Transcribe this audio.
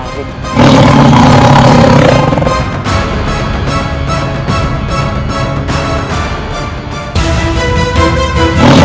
aku harus menolong anak itu